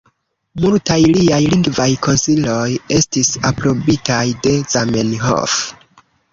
Multaj liaj lingvaj konsiloj estis aprobitaj de Zamenhof.